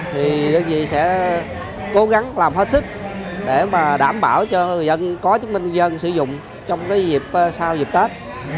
thì đơn vị sẽ cố gắng làm hết sức để đảm bảo cho người dân có chứng minh nhân dân sử dụng trong dịp sau dịp tết